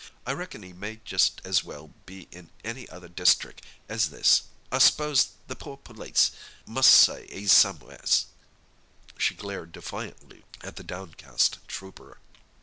I reckon 'e may just as well be in any other districk as this—I s'pose the poor p'lice must say 'e's somewheres!" She glared defiantly at the downcast trooper.